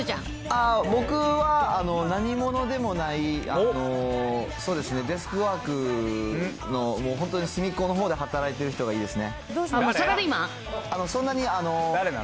僕は何者でもない、そうですね、デスクワークの、もう本当に隅っこのほうで働いてる人がいいですね。